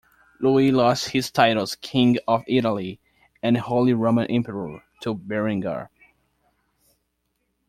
Louis lost his titles King of Italy and Holy Roman Emperor to Berengar.